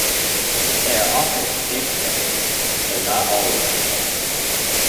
They are often stationary, though not always.